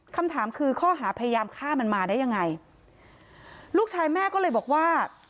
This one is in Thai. คำถามคือข้อหาพยายามฆ่ามันมาได้ยังไงลูกชายแม่ก็เลยบอกว่า